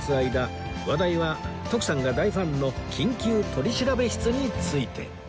話題は徳さんが大ファンの『緊急取調室』について